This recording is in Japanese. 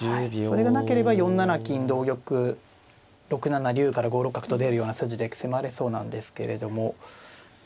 それがなければ４七金同玉６七竜から５六角と出るような筋で迫れそうなんですけれども。